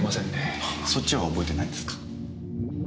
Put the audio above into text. あそっちは覚えてないんですか。